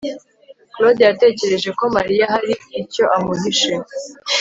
claude yatekereje ko mariya hari icyo amuhishe